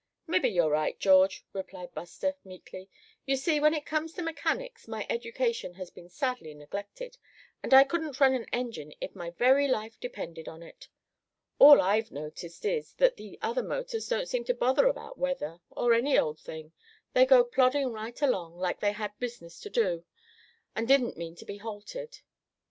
"Mebbe you're right, George," replied Buster, meekly, "you see, when it comes to mechanics my education has been sadly neglected, and I couldn't run an engine if my very life depended on it. All I've noticed is, that the other motors don't seem to bother about weather, or any old thing. They go plodding right along like they had business to do, and didn't mean to be halted."